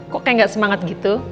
kok kayak gak semangat gitu